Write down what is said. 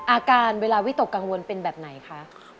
อาการเวลาวิตกกังวลเป็นแบบไหนคะ